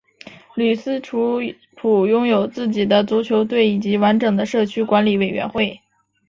吕斯楚普拥有自己的足球队以及完整的社区管理委员会